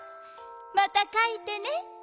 またかいてね」。